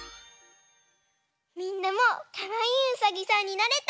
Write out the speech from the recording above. みんなもかわいいうさぎさんになれた？